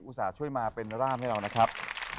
ช่วยมาเป็นร่ามให้เรานะครับ